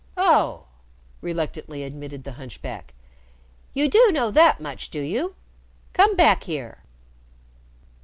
"Oh!" reluctantly admitted the hunchback. "You do know that much, do you? Come back here."